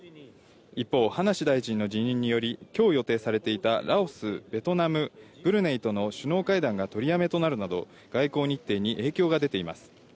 一方、葉梨大臣の辞任により今日予定されていたラオス、ベトナム、ブルネイとの首脳会談が取り止めとなるなど外交日程に影響が出ています。